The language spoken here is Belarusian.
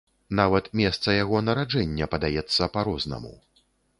Нават месца яго нараджэння падаецца па-рознаму.